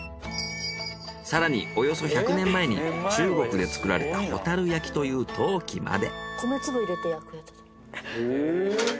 更におよそ１００年前に中国で作られた蛍焼という陶器まで。